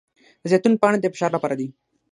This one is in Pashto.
د زیتون پاڼې د فشار لپاره دي.